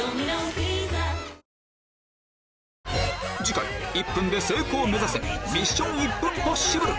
次回１分で成功を目指せ「ミッション：１分ポッシブル」